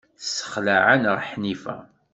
Tessexleɛ-aneɣ Ḥnifa.